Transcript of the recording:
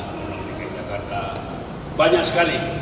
undang undang dki jakarta